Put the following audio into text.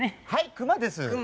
クマです。